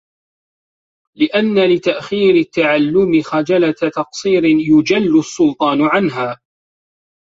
لِأَنَّ لِتَأْخِيرِ التَّعَلُّمِ خَجْلَةَ تَقْصِيرٍ يُجَلُّ السُّلْطَانُ عَنْهَا